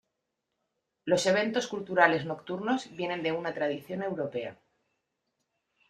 Los eventos culturales nocturnos vienen de una tradición europea.